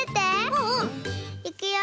うんうん。いくよ！